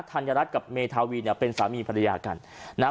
ธัญรัฐกับเมธาวีเนี่ยเป็นสามีภรรยากันนะฮะ